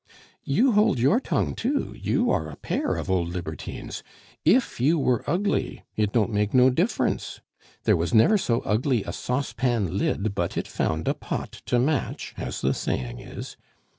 "You hold your tongue too! You are a pair of old libertines. If you were ugly, it don't make no difference; there was never so ugly a saucepan lid but it found a pot to match, as the saying is.